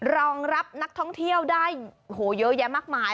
รองรับนักท่องเที่ยวได้เยอะแยะมากมาย